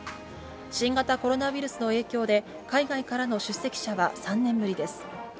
新型コロナウイルスの影響で、海外からの出席者は３年ぶりです。